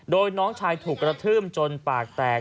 โดยน้องชายถูกกระทืบจนปากแตก